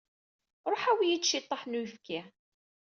Ṛuḥ awi-iyi-d ciṭṭaḥ n uyefki.